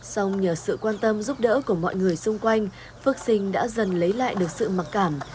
xong nhờ sự quan tâm giúp đỡ của mọi người xung quanh phước sinh đã dần lấy lại được sự mặc cảm